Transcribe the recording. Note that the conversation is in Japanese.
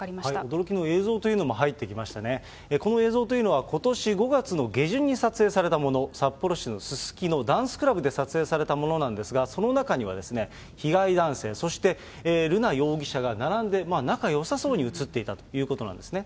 驚きの映像というも入ってきましてね、この映像というのは、ことし５月の下旬に撮影されたもの、札幌市のすすきの、ダンスクラブで撮影されたものなんですが、その中には、被害男性、そして瑠奈容疑者が並んで、仲よさそうに写っていたということなんですね。